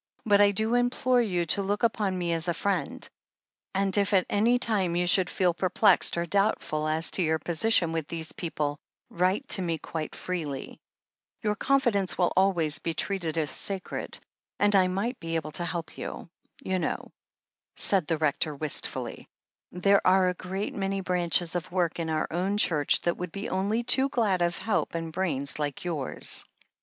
"But I do implore you to look upon me as a friend, and if at any time you should feel perplexed or doubtful, as to your position with these people, write to me quite freely. Your con fidence will always be treated as sacred, and I might THE HEEL OF ACHILLES 287 be able to help you. You know," said the Rector wist fully, "there are a great many branches of work in our own Church that would be only too glad of help and brains like yours.